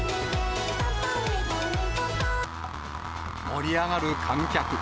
盛り上がる観客。